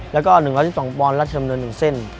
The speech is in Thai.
แล้วก็๑๑๒ปอนด์รัชดำเนิน๑เส้น